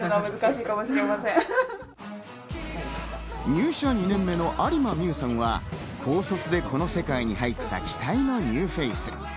入社２年目の有馬美羽さんは、高卒で、この世界に入った期待のニューフェイス。